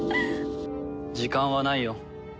時間はないよ。